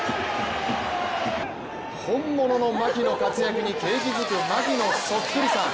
本物の牧の活躍に景気づく牧のそっくりさん。